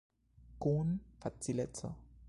Kun facileco.